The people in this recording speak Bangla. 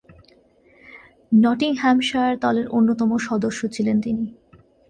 নটিংহ্যামশায়ার দলের অন্যতম সদস্য ছিলেন তিনি।